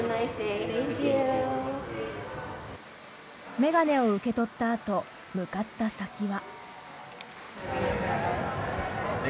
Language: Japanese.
眼鏡を受け取ったあと向かった先は。